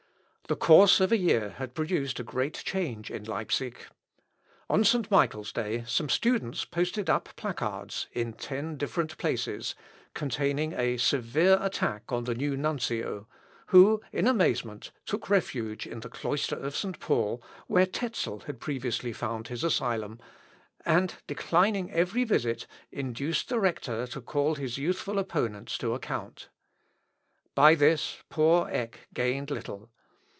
The course of a year had produced a great change in Leipsic. On St. Michael's day some students posted up placards, in ten different places, containing a severe attack on the new nuncio, who, in amazement, took refuge in the cloister of St. Paul, where Tetzel had previously found his asylum, and declining every visit, induced the rector to call his youthful opponents to account. By this poor Eck gained little.